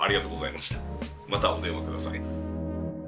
またお電話下さい。